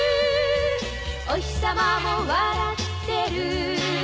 「おひさまも笑ってる」